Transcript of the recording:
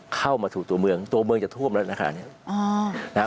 เข้ามาสู่ตัวเมืองตัวเมืองจะท่วมแล้วนะคะเนี่ย